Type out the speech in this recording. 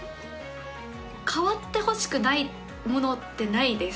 変わってほしくないものってないです。